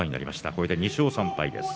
これで２勝３敗です。